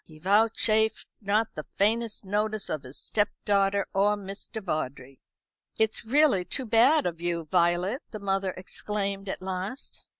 He vouchsafed not the faintest notice of his stepdaughter or Mr. Vawdrey. "It's really too bad of you, Violet," the mother exclaimed at last.